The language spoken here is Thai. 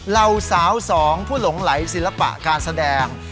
เหล่าสาวสองผู้หลงไหลศิลปะการแสดง